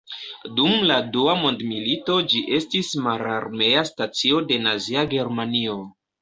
Dum la Dua Mondmilito ĝi estis mararmea stacio de Nazia Germanio.